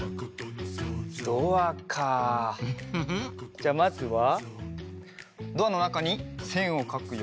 じゃあまずはドアのなかにせんをかくよ。